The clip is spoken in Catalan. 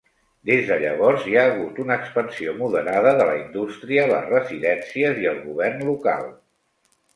Des de llavors, hi ha hagut una expansió moderada de la indústria, les residències i el govern local.